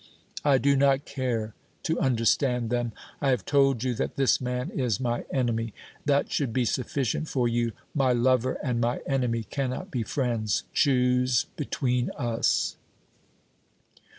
"I do not care to understand them. I have told you that this man is my enemy. That should be sufficient for you. My lover and my enemy cannot be friends. Choose between us!"